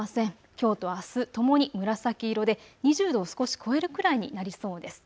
きょうとあす、ともに紫色で２０度を少し超えるくらいになりそうです。